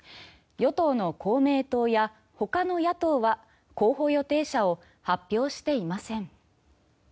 与党の公明党やほかの野党は候補予定者を発表していません。